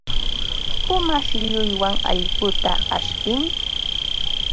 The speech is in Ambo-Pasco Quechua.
Puma shillunwan allquta ashpin.